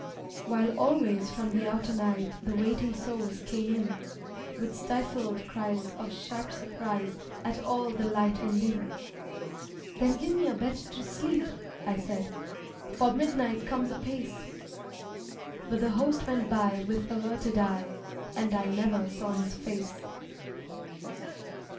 While always from the outer night The waiting souls came in With stifled cries of sharp surprise At all the light and din. "Then give me a bed to sleep," I said, "For midnight comes apace" But the Host went by with averted eye And I never saw his face.